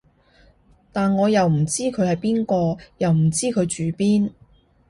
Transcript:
但我又唔知佢係邊個，又唔知佢住邊